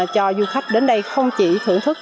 cho du khách đến đây không chỉ thưởng thức